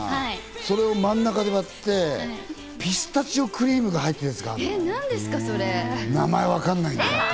それを真ん中で割って、ピスタチオクリームが入ってるやつ、名前わかんないんだよ。